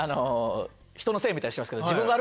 人のせいみたいにしてますけど。